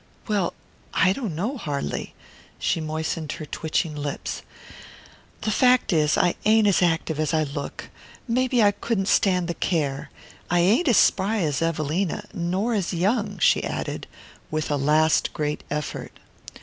"Well, I don't know, har'ly." She moistened her twitching lips. "The fact is, I ain't as active as I look. Maybe I couldn't stand the care. I ain't as spry as Evelina nor as young," she added, with a last great effort.